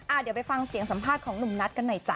เดี๋ยวไปฟังเสียงสัมภาษณ์ของหนุ่มนัทกันหน่อยจ้